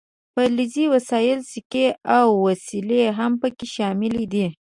فلزي وسایل سیکې او وسلې هم پکې شاملې دي.